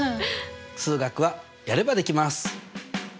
数学はやればできます！